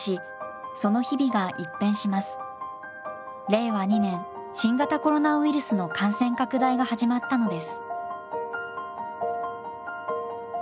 令和２年新型コロナウイルスの感染拡大が始まったのです。